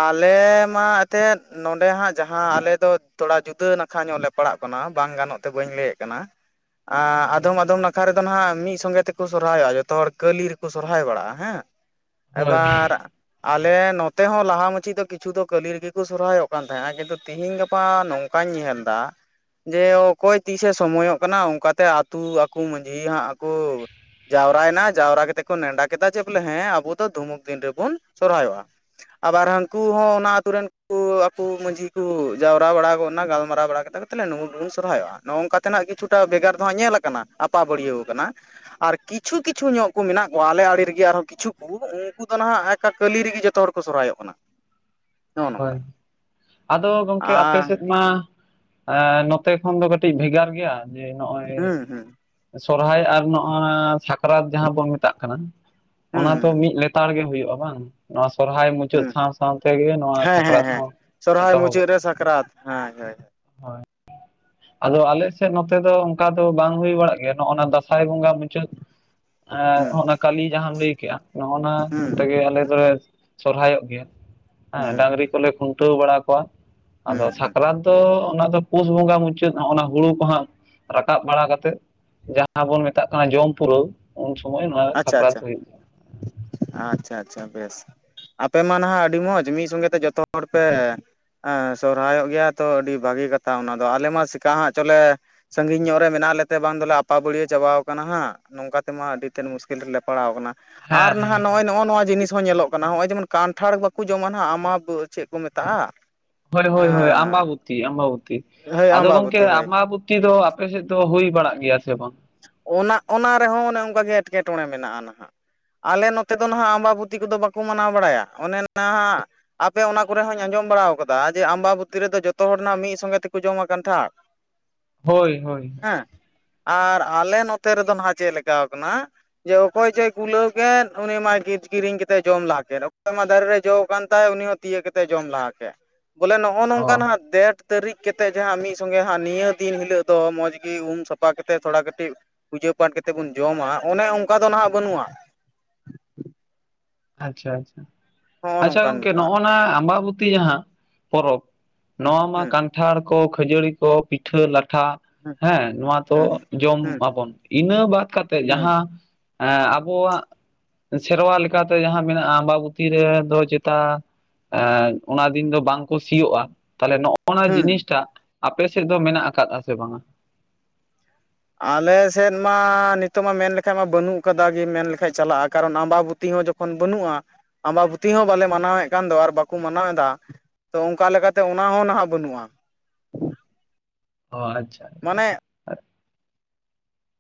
ᱟᱞᱮ ᱢᱟ ᱮᱛᱮᱫ ᱱᱚᱸᱰᱮ ᱦᱟᱸᱜ ᱡᱟᱦᱟᱸ ᱟᱞᱮ ᱫᱚ ᱛᱷᱚᱲᱟ ᱡᱩᱫᱟᱹ ᱱᱟᱠᱷᱟ ᱧᱚᱜ ᱞᱮ ᱯᱟᱲᱟᱜ ᱠᱟᱱᱟ ᱵᱟᱝ ᱜᱟᱱᱚᱜ ᱛᱮ ᱵᱟᱹᱧ ᱞᱟᱹᱭᱮᱫ ᱠᱟᱱᱟ ᱾ ᱟᱸ ᱦᱳᱭ ᱟᱫᱚᱢ ᱟᱫᱚᱢ ᱱᱟᱠᱷᱟ ᱨᱮᱫᱚ ᱱᱟᱦᱟᱜ ᱢᱤᱫ ᱥᱚᱸᱜᱮ ᱛᱮᱠᱚ ᱥᱚᱨᱚᱨᱟᱭᱚᱜᱼᱟ ᱡᱚᱛᱚ ᱦᱚᱲ ᱠᱟᱹᱞᱤ ᱨᱮᱠᱚ ᱥᱚᱨᱚᱨᱟᱭ ᱵᱟᱲᱟᱜᱼᱟ ᱦᱮᱸ, ᱦᱳᱭ ᱮᱵᱟᱨ ᱟᱞᱮ ᱱᱚᱛ ᱱᱚᱛᱮ ᱦᱚᱸ ᱞᱟᱦᱟ ᱢᱟᱪᱮᱫ ᱫᱚ ᱠᱤᱪᱷᱩ ᱫᱚ ᱠᱟᱹᱞᱤ ᱨᱮᱜᱮ ᱠᱚ ᱥᱚᱨᱦᱟᱭᱚᱜ ᱠᱟᱱ ᱛᱟᱦᱮᱸᱜᱼᱟ, ᱠᱤᱱᱛᱩ ᱛᱤᱦᱤᱧ ᱜᱟᱯᱟ ᱱᱚᱝᱠᱟᱧ ᱧᱮᱞ ᱫᱟ ᱡᱮ ᱚᱠᱚᱭ ᱛᱤᱥᱮ ᱥᱚᱢᱚᱭᱚᱜ ᱠᱟᱱᱟ ᱚᱱᱠᱟᱛᱮ ᱟᱹᱛᱩ ᱟᱠᱚ ᱢᱟᱺᱡᱷᱤ ᱦᱟᱸᱜ ᱠᱚ ᱡᱟᱣᱨᱟᱭᱱᱟ ᱡᱟᱣᱨᱟ ᱠᱟᱛᱮ ᱠᱚ ᱱᱮᱰᱟ ᱠᱮᱫᱟ ᱡᱮ ᱵᱚᱞᱮ ᱦᱮᱸ ᱟᱵᱚ ᱫᱚ ᱫᱷᱩᱢᱩᱠ ᱫᱤᱱ ᱨᱮᱵᱩᱱ ᱥᱚᱨᱦᱟᱭᱚᱜᱼᱟ ᱾ ᱟᱵᱟᱨ ᱦᱟᱹᱱᱠᱩ ᱦᱚᱸ ᱚᱱᱟ ᱟᱛᱩ ᱨᱮᱱ ᱠᱚ ᱟᱠᱚ ᱢᱟᱺᱡᱷᱤ ᱠᱚ ᱡᱟᱣᱨᱟ ᱵᱟᱲᱟ ᱜᱚᱫ ᱱᱟ ᱜᱟᱞᱢᱟᱨᱟᱣ ᱵᱟᱲᱟ ᱠᱟᱛᱮ ᱛᱟᱦᱚᱞᱮ ᱱᱩ *unintelligible* ᱜᱮᱵᱚᱱ ᱥᱚᱨᱦᱟᱭᱚᱜᱼᱟ ᱱᱚᱜᱼᱚ ᱱᱚᱝᱠᱟ ᱛᱮᱱᱟᱜ ᱠᱤᱪᱷᱩᱴᱟ ᱵᱷᱮᱜᱟᱨ ᱫᱚ ᱦᱟᱸᱜ ᱧᱮᱞ ᱟᱠᱟᱱᱟ ᱟᱯᱟᱵᱟᱹᱲᱭᱟᱹᱣ ᱟᱠᱟᱱᱟ ᱾ ᱟᱨ ᱠᱤᱪᱷᱩ ᱠᱤᱪᱷᱩ ᱧᱚᱜ ᱠᱚ ᱢᱮᱱᱟᱜ ᱠᱚᱣᱟ ᱟᱞᱮ ᱟᱲᱮ ᱨᱮᱜᱮ ᱟᱨᱦᱚᱸ ᱠᱤᱪᱷᱩ ᱠᱚ ᱩᱱᱠᱩ ᱫᱚ ᱱᱟᱦᱟᱜ ᱮᱠᱟ ᱠᱟᱹᱞᱤ ᱨᱮᱜᱮ ᱡᱚᱛᱚ ᱦᱚᱲ ᱠᱚ ᱥᱚᱨᱦᱟᱭᱚᱜ ᱠᱟᱱᱟ ᱾ ᱦᱳᱭ, ᱟᱫᱚ ᱜᱚᱢᱠᱮ ᱟᱯᱮ ᱟᱨ ᱥᱮᱫ ᱢᱟ ᱼᱼ ᱮᱻ ᱱᱚᱛᱮ ᱠᱷᱚᱱ ᱫᱚ ᱠᱟᱹᱴᱤᱡ ᱵᱷᱮᱜᱟᱨ ᱜᱮᱭᱟ ᱡᱮ ᱱᱚᱜᱼᱚᱭ ᱦᱩᱸ ᱦᱩᱸ ᱼᱼ ᱥᱚᱨᱦᱟᱭ ᱟᱨ ᱱᱚᱜᱼᱟ ᱥᱟᱠᱨᱟᱛ ᱡᱟᱦᱟᱸ ᱵᱚᱱ ᱢᱮᱛᱟᱜ ᱠᱟᱱᱟ ᱾ ᱚᱱᱟ ᱫᱚ ᱦᱩᱸ ᱢᱤᱫ ᱞᱮᱼᱼ ᱼᱛᱟᱲ ᱜᱮ ᱦᱩᱭᱩᱜᱼᱟ ᱵᱟᱝ? ᱱᱚᱣᱟ ᱥᱚᱨᱦᱟᱭ ᱢᱩᱪᱟᱹᱫ ᱦᱩᱸ ᱥᱟᱶ ᱥᱟᱶ ᱛᱮ ᱜᱮ ᱱᱚᱣᱟ ᱼᱼ ᱦᱮᱸ ᱦᱮᱸ ᱦᱮᱸ ᱥᱚᱨᱦᱟᱭ ᱢᱩᱪᱟᱹᱫ ᱨᱮ ᱥᱟᱠᱨᱟᱛ ᱦᱮᱸ ᱦᱳᱭ ᱾ ᱦᱳᱭ ᱾ ᱟᱫᱚ ᱟᱞᱮ ᱥᱮᱫ ᱱᱚᱛᱮ ᱫᱚ ᱚᱱᱠᱟ ᱫᱚ ᱵᱟᱝ ᱦᱩᱭ ᱵᱟᱲᱟᱜ ᱜᱮᱭᱟ ᱾ ᱱᱚᱜᱼ ᱱᱟ ᱫᱟᱸᱥᱟᱭ ᱵᱚᱸᱜᱟ ᱢᱩᱪᱟᱹᱫ ᱼᱼ ᱮ ᱦᱩᱸ ᱱᱚᱜᱼᱱᱟ ᱠᱟᱞᱤ ᱡᱟᱦᱟᱸᱟᱢ ᱞᱟᱹᱭ ᱠᱮᱜᱼᱟ, ᱱᱚᱜᱼᱱᱟ ᱦᱩᱸ ᱛᱮᱜᱮ ᱟᱞᱮ ᱫᱚᱞᱮ ᱼᱼ ᱥᱚᱨᱦᱟᱭᱚᱜ ᱜᱮᱭᱟ ᱦᱮᱸ ᱾ ᱦᱩᱸ ᱰᱟᱝᱨᱤ ᱦᱩᱸ ᱠᱚᱞᱮ ᱠᱷᱩᱱᱴᱟᱹᱣ ᱵᱟᱲᱟ ᱠᱚᱣᱟ ᱾ ᱟᱫᱚ ᱦᱩᱸ ᱦᱩᱸ ᱥᱟᱠᱨᱟᱛ ᱫᱚ ᱚᱱᱟ ᱫᱚ ᱯᱳᱥ ᱵᱚᱸᱜᱟ ᱢᱩᱪᱼᱼ ᱼᱪᱟᱹᱫ ᱱᱚᱜᱼᱚᱱᱟ ᱦᱩᱲᱩ ᱠᱚ ᱦᱟᱸᱜ ᱨᱟᱠᱟᱵ ᱵᱟᱲᱟ ᱠᱟᱛᱮᱫ, ᱡᱟᱦᱟᱸ ᱵᱚᱱ ᱢᱮᱛᱟᱜ ᱠᱟᱱᱟ ᱡᱚᱢ ᱯᱩᱨᱟᱹᱣ ᱾ ᱩᱱ ᱥᱚᱢᱚᱭ ᱱᱚᱣᱟ ᱟᱪᱪᱷᱟ ᱟᱪᱪᱷᱟ ᱥᱟᱠᱨᱟᱛ ᱦᱩᱭᱩᱜ ᱼᱼ ᱟᱪᱪᱷᱟ ᱟᱪᱪᱷᱟ ᱵᱮᱥ ᱟᱯᱮ ᱢᱟ ᱱᱟᱦᱟᱜ ᱟᱹᱰᱤ ᱢᱚᱸᱡᱽ ᱢᱤᱫ ᱥᱚᱸᱜᱮ ᱛᱮ ᱡᱚᱛᱚ ᱦᱚᱲ ᱯᱮ ᱼᱼ ᱮᱸ ᱥᱚᱨᱦᱟᱭᱚᱜ ᱜᱮᱭᱟ ᱛᱚ ᱟᱹᱰᱤ ᱵᱷᱟᱹᱜᱤ ᱠᱟᱛᱷᱟ ᱚᱱᱟ ᱫᱚ ᱾ ᱟᱞᱮ ᱢᱟ ᱪᱮᱠᱟ ᱦᱟᱜ ᱪᱚᱞᱮ ᱼᱼ ᱥᱟᱺᱜᱤᱧ ᱧᱚᱜ ᱨᱮ ᱢᱮᱱᱟᱜ ᱞᱮᱛᱮ ᱵᱟᱝ ᱫᱚᱞᱮ ᱟᱯᱟᱵᱟᱹᱲᱭᱟᱹ ᱪᱟᱵᱟᱣ ᱠᱟᱱᱟ ᱦᱟᱸᱜ? ᱱᱚᱝᱠᱟ ᱛᱮᱢᱟ ᱟᱹᱰᱤ ᱛᱮᱫ ᱢᱩᱥᱠᱤᱞ ᱨᱮᱞᱮ ᱯᱟᱲᱟᱣ ᱟᱠᱟᱱᱟ᱾ ᱦᱮᱸ ᱟᱨ ᱦᱮᱸ ᱱᱟᱦᱟᱜ ᱱᱚᱜᱼᱚᱭ ᱱᱚᱜᱼᱚ ᱱᱚᱣᱟ ᱡᱤᱱᱤᱥ ᱦᱚᱸ ᱧᱮᱞᱚᱜ ᱠᱟᱱᱟᱼᱼ *unintelligible* ᱦᱚᱸᱜᱼᱚᱭ ᱡᱮᱢᱚᱱ ᱠᱟᱱᱴᱷᱟᱲ ᱵᱟᱠᱚ ᱡᱚᱢᱟ ᱱᱟᱦᱟᱜ ᱟᱢᱟ ᱪᱮᱫ ᱠᱚ ᱢᱮᱛᱟᱜᱼᱟ? ᱦᱳᱭ ᱦᱳᱭ ᱦᱳᱭ ᱟᱢᱵᱟᱵᱚᱛᱤ ᱟᱢᱵᱟᱵᱚᱛᱤ ᱦᱳᱭ ᱟᱫᱚ ᱜᱚᱢᱠᱮ ᱟᱢᱵᱟᱵᱚᱛᱤ ᱦᱳᱭ ᱟᱢᱵᱟᱵᱚ ᱼᱼ ᱼᱛᱤ ᱫᱚ ᱟᱯᱮ ᱥᱮᱫ ᱫᱚ ᱦᱩᱭ ᱵᱟᱲᱟᱜ ᱜᱮᱭᱟ ᱥᱮ ᱵᱟᱝ? ᱚᱱᱟ ᱚᱱᱟ ᱨᱮᱦᱚᱸ ᱚᱱᱮ ᱚᱱᱠᱟᱜᱮ ᱮᱴᱠᱮᱴᱚᱬᱮ ᱢᱮᱱᱟᱜᱼᱟ ᱱᱟᱦᱟᱜ ᱾ ᱟᱞᱮ ᱱᱚᱛᱮ ᱫᱚ ᱱᱟᱦᱟᱜ ᱟᱢᱵᱟᱵᱚᱛᱤ ᱠᱚᱫᱚ ᱵᱟᱠᱚ ᱢᱟᱱᱟᱣ ᱵᱟᱲᱟᱭᱟ ᱾ ᱚᱱᱮ ᱱᱟᱦᱟᱜᱼᱼ ᱟᱯᱮ ᱚᱱᱟ ᱠᱚᱨᱮ ᱦᱚᱸᱧ ᱟᱸᱡᱚᱢ ᱵᱟᱲᱟ ᱟᱠᱟᱫᱟ ᱡᱮ ᱟᱢᱵᱟᱵᱩᱛᱤ ᱨᱮᱫᱚ ᱡᱚᱛᱚ ᱦᱚᱲ ᱱᱟᱦᱟᱜ ᱢᱤᱫ ᱥᱚᱸᱜᱮ ᱛᱮᱠᱚ ᱡᱚᱢᱟ ᱠᱟᱱᱴᱷᱟᱲ ᱾ *inaudible* ᱦᱳᱭ ᱦᱳᱭ ᱾ ᱟᱨ ᱟᱞᱮ ᱱᱚᱛᱮ ᱨᱮᱫᱚ ᱱᱟᱦᱟᱜ ᱪᱮᱫ ᱞᱮᱠᱟᱣ ᱠᱟᱱᱟ? ᱡᱮ ᱚᱠᱚᱭ ᱪᱚᱭ ᱠᱩᱞᱟᱹᱣ ᱠᱮᱫ ᱩᱱᱤ ᱢᱟᱭ ᱠᱤᱨᱤᱧ ᱠᱟᱛᱮ ᱡᱚᱢ ᱞᱟᱦᱟ ᱠᱮᱫ ᱾ ᱚᱠᱚᱭ ᱢᱟ ᱫᱟᱨᱮ ᱨᱮ ᱡᱚᱣ ᱠᱟᱱ ᱛᱟᱭ ᱩᱱᱤ ᱦᱚ ᱼᱼ ᱛᱤᱭᱟᱹᱜ ᱠᱟᱛᱮ ᱡᱚᱢ ᱞᱟᱦᱟ ᱠᱮᱫ ᱾ ᱵᱚᱞᱮ ᱱᱚᱜᱼᱚ ᱱᱚᱝᱠᱟ ᱚ ᱱᱟᱦᱟᱜ ᱫᱮᱴ ᱼᱼ ᱛᱟᱹᱨᱤᱠᱷ ᱠᱟᱛᱮᱫ ᱡᱟᱦᱟᱸ ᱢᱤᱫ ᱥᱚᱸᱜᱮ ᱦᱟᱸᱜ ᱱᱤᱭᱟᱹ ᱫᱤᱱ ᱦᱤᱞᱳᱜ ᱫᱚ ᱢᱚᱡᱽ ᱜᱮ ᱩᱢ ᱥᱟᱯᱷᱟ ᱠᱟᱛᱮᱫ ᱛᱷᱚᱲᱟ ᱠᱟᱼᱼ ᱼᱴᱤᱡ ᱯᱩᱡᱟᱹ ᱯᱟᱴ ᱠᱟᱛᱮᱫ ᱵᱚᱱ ᱡᱚᱢᱟ ᱾ ᱚᱱᱮ ᱚᱱᱠᱟ ᱫᱚ ᱱᱟᱦᱟᱜ ᱵᱟᱹᱱᱩᱜᱼᱟ ᱾ ᱟᱪᱪᱷᱟ ᱟᱪᱪᱷᱟ, ᱱᱚᱜᱼᱚ ᱟᱪᱪᱷᱟ ᱱᱚᱝᱠᱟᱱ ᱜᱚᱝᱠᱮ ᱵᱮᱯᱟᱨ ᱱᱚᱜᱼᱱᱟ ᱟᱢᱵᱟᱵᱚᱛᱤ ᱡᱟᱦᱟᱸ ᱯᱚᱨᱚᱵᱽ ᱾ ᱱᱚᱣᱟ ᱢᱟ ᱦᱩᱸ ᱠᱟᱱᱴᱷᱟᱲ ᱠᱚ ᱠᱷᱟᱹᱡᱟᱹᱲᱤ ᱠᱚ ᱯᱤᱴᱷᱟᱹ ᱞᱟᱴᱷᱟ ᱦᱩᱸ ᱾ ᱦᱮᱸ ᱱᱚᱣᱟ ᱫᱚ ᱦᱩᱸ ᱡᱚᱢ ᱦᱩᱸ ᱟᱵᱚᱱ ᱤᱱᱟᱹ ᱵᱟᱫ ᱠᱟᱛᱮᱫ ᱦᱩᱸ ᱡᱟᱦᱟᱸ ᱼᱼ ᱮᱸ ᱟᱵᱚᱣᱟᱜ ᱥᱮᱨᱣᱟ ᱞᱮᱠᱟᱛᱮ ᱡᱟᱦᱟᱸ ᱢᱮᱱᱟᱜᱼᱟ ᱟᱢᱵᱟᱵᱚᱛᱤ ᱨᱮ ᱫᱚ ᱪᱮᱛᱟᱼᱼ ᱮᱸ ᱚᱱᱟ ᱫᱤᱱ ᱫᱚ ᱵᱟᱝ ᱠᱚ ᱥᱤᱭᱳᱜᱼᱟ ᱛᱟᱦᱚᱞᱮ ᱱᱚᱜᱼᱼ ᱼᱚᱱᱟ ᱦᱩᱸ ᱡᱤᱱᱤᱥ ᱴᱟᱜ ᱟᱯᱮ ᱥᱮᱫ ᱫᱚ ᱢᱮᱱᱟᱜ ᱟᱠᱟᱫᱟ ᱥᱮ ᱵᱟᱝᱟ? ᱟᱞᱮ ᱥᱮᱫ ᱢᱟ ᱱᱤᱛᱚᱜ ᱢᱟ ᱢᱮᱱ ᱞᱮᱠᱷᱟᱱ ᱢᱟ ᱵᱟᱹᱱᱩᱜ ᱠᱟᱫᱟ ᱜᱮ ᱢᱮᱱ ᱞᱮᱠᱷᱟᱡ ᱪᱟᱞᱟᱜᱼᱟ ᱾ ᱠᱟᱨᱚᱱ ᱟᱢᱵᱟᱵᱩᱛᱤ ᱦᱚᱸ ᱡᱚ ᱼᱠᱷᱚᱱ ᱵᱟᱹᱱᱩᱜᱼᱟ ᱟᱢᱵᱟᱵᱩᱛᱤ ᱦᱚᱸ ᱵᱟᱞᱮ ᱢᱟᱱᱟᱣᱮᱫ ᱠᱟᱱ ᱫᱚ ᱟᱨ ᱵᱟᱠᱚ ᱢᱟᱱᱟᱣᱮᱫᱟ ᱾ ᱛᱚ ᱚᱱᱠᱟ ᱞᱮᱠᱟᱛᱮ ᱚᱱᱟ ᱦᱚᱸ ᱱᱟᱦᱟᱜ ᱵᱟᱹᱱᱩᱜᱼᱟ ᱾ ᱚ ᱟᱪᱪᱷᱟ ᱾ ᱢᱟᱱᱮ ᱼᱼ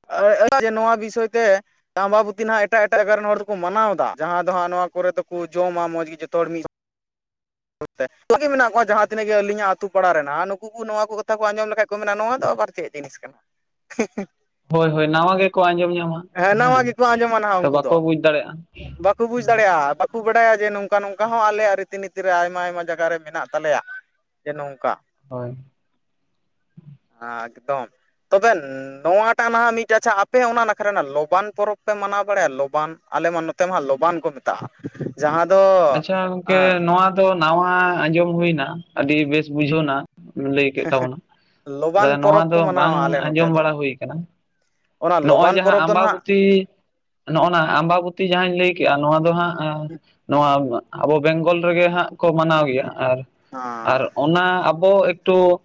*unintelligible* ᱡᱮ ᱱᱚᱣᱟ ᱵᱤᱥᱚᱭ ᱛᱮ ᱼᱼ ᱟᱢᱵᱟᱵᱩᱛᱤ ᱱᱟᱦᱟᱜ ᱮᱴᱟᱜ ᱮᱴᱟᱜ ᱠᱚᱨᱮᱱ ᱦᱚᱲ ᱫᱚᱠᱚ ᱢᱟᱱᱟᱣ ᱫᱟ ᱾ ᱡᱟᱦᱟᱸ ᱫᱚ ᱦᱟᱸᱜ ᱱᱚᱣᱟ ᱠᱚᱨᱮ ᱫᱚᱠᱩ ᱡᱚᱢᱟ ᱢᱚᱡᱽ ᱜᱮ ᱡᱚᱛᱚ ᱦᱚᱲ ᱢᱤᱫ ᱼᱼ ᱮᱠᱞᱟ ᱜᱮ ᱢᱮᱱᱟᱜ ᱠᱚᱣᱟ ᱡᱟᱦᱟᱸ ᱛᱤᱱᱟᱹᱜ ᱜᱮ ᱟᱹᱞᱤᱧᱟᱜ ᱟᱹᱛᱩ ᱯᱟᱲᱟ ᱨᱮ ᱱᱟᱦᱟᱜ ᱾ ᱱᱩᱠᱩ ᱠᱩ ᱱᱚᱣᱟ ᱠᱚ ᱠᱟᱛᱷᱟ ᱠᱚ ᱟᱸᱡᱚᱢ ᱞᱮᱠᱷᱟᱡ ᱠᱚ ᱢᱮᱱᱟ, ᱱᱚᱣᱟ ᱫᱚ ᱟᱵᱟᱨ ᱪᱮᱫ? ᱡᱤᱱᱤᱥ ᱠᱟᱱᱟ *unintelligible* ᱾ ᱦᱳᱭ ᱦᱳᱭ ᱱᱟᱣᱟ ᱜᱮᱠᱚ ᱟᱸᱡᱚᱢ ᱧᱟᱢᱟ ᱾ ᱱᱟᱣᱟ ᱦᱮᱸ ᱛᱚ ᱵᱟᱠᱚ ᱵᱩᱡᱽ ᱫᱟᱲᱮᱭᱟᱜᱼᱟ ᱾ ᱵᱟᱠᱩ ᱵᱩᱡᱽ ᱫᱟᱲᱮᱭᱟᱜᱼᱟ, ᱵᱟᱠᱩ ᱵᱟᱰᱟᱭᱟ ᱡᱮ ᱱᱚᱝᱠᱟ ᱱᱚᱝᱠᱟ ᱦᱚᱸ ᱟᱞᱮᱭᱟᱜ ᱨᱤᱛᱤ ᱱᱤᱼᱼ ᱼᱼᱛᱤ ᱨᱮ ᱟᱭᱢᱟ ᱟᱭᱢᱟ ᱡᱟᱜᱟ ᱨᱮ ᱢᱮᱱᱟᱜ ᱛᱟᱞᱮᱭᱟ ᱡᱮ ᱱᱚᱝᱠᱟ᱾ ᱦᱳᱭ᱾ ᱦᱟᱸ ᱮᱠᱫᱚᱢ ᱾ ᱛᱚᱵᱮ ᱱᱚᱣᱟᱴᱟᱜ ᱱᱟᱦᱟᱜ ᱢᱤᱫ ᱟᱪᱷᱟ, ᱟᱯᱮ ᱚᱱᱟ ᱱᱟᱠᱷᱟ ᱨᱮᱱᱟᱜ ᱞᱚᱵᱟᱱ ᱯᱚᱨᱚᱵᱽ ᱯᱮ ᱢᱟᱱᱟᱣ ᱵᱟᱲᱟᱭᱟ ᱞᱚᱵᱟᱱ? ᱟᱞᱮ ᱢᱟ ᱱᱚᱛᱮ ᱢᱟᱦᱟᱜ ᱞᱚᱵᱟᱱ ᱠᱚ ᱢᱮᱛᱟᱜᱼᱟ, ᱡᱟᱦᱟᱸ ᱫᱚ ᱟᱪᱪᱷᱟ ᱜᱚᱝᱠᱮ ᱮᱸ ᱱᱚᱣᱟ ᱫᱚ ᱱᱟᱣᱟ ᱟᱸᱡᱚᱢ ᱦᱩᱭᱱᱟ ᱟᱹᱰᱤ ᱵᱮᱥ ᱵᱩᱡᱷᱟᱹᱣᱱᱟ᱾ ᱞᱟᱹᱭ ᱠᱮᱫ ᱛᱟᱵᱚᱱᱟᱢ ᱞᱚᱵᱟᱱ ᱛᱟᱞᱮ ᱱᱚᱣᱟ ᱯᱚᱨᱚᱵᱽ ᱠᱚ ᱫᱚ ᱵᱟᱝ ᱢᱟᱱᱟᱣᱟ ᱟᱞᱮ ᱱᱚᱛᱮ ᱟᱸᱡᱚᱢ ᱫᱚ ᱵᱟᱲᱟ ᱦᱩᱭ ᱠᱟᱱᱟ᱾ ᱚᱱᱟ ᱱᱚᱜᱼᱚᱭ ᱞᱚᱵᱟᱱ ᱡᱟᱦᱟᱸ ᱯᱚᱨᱚᱵᱽ ᱫᱚ ᱱᱟᱦᱟᱜ ᱟᱢᱵᱟᱵᱩᱛᱤ ᱱᱚᱜᱼᱚ ᱱᱟ ᱟᱢᱵᱟᱵᱩᱛᱤ ᱡᱟᱸᱦᱟᱸᱧ ᱞᱟᱹᱭ ᱠᱮᱜᱼᱟ ᱱᱚᱣᱟ ᱫᱚ ᱦᱟᱸᱜ ᱟ ᱱᱚᱣᱟ ᱟᱵᱚ ᱵᱮᱝᱜᱚᱞ ᱨᱮᱜᱮ ᱦᱟᱸᱜ ᱠᱚ ᱢᱟᱱᱟᱣ ᱜᱮᱭᱟ, ᱟᱨ ᱟᱨ ᱚᱱᱟ ᱟᱵᱚ ᱮᱠᱴᱩ